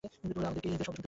আমাদের শব্দ শুনতে পাও?